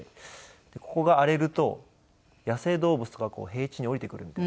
ここが荒れると野生動物とかが平地に下りてくるみたいな。